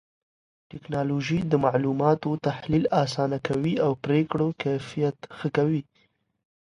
ټکنالوژي د معلوماتو تحليل آسانه کوي او پرېکړو کيفيت ښه کوي.